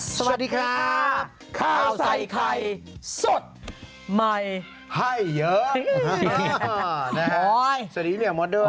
สวัสดีครับข้าวใส่ไข่สดใหม่ให้เยอะ